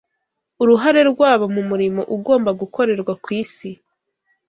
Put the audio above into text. uruhare rwabo mu murimo ugomba gukorerwa isi